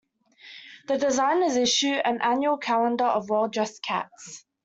The designers issue an annual calendar of well dressed cats.